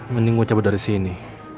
mending gue coba dari sini